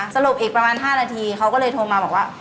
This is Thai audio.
สรุปอีกประมาณ๕นาทีเขาก็เลยโทรมาบอกว่า